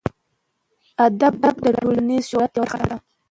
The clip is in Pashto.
ادب د ټولنیز شعور یوه برخه ده.